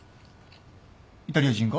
イタリア人が？